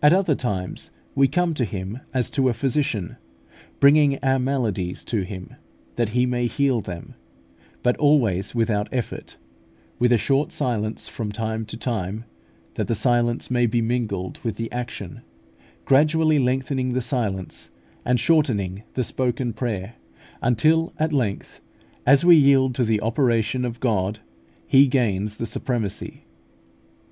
At other times we come to Him as to a Physician, bringing our maladies to Him that He may heal them; but always without effort, with a short silence from time to time, that the silence may be mingled with the action, gradually lengthening the silence and shortening the spoken prayer, until at length, as we yield to the operation of God, He gains the supremacy.